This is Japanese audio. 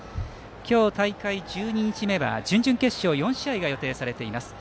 今日、大会１２日目は準々決勝４試合が予定されています。